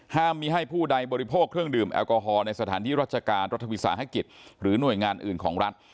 ห้ามมีให้ผู้ใดบริโภคเครื่องดื่มแอลกอฮอล์ในสถานที่ราชการรัฐวิสาหกิจหรือหน่วยงานอื่นของรัฐ